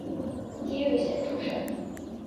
崎玉县出身。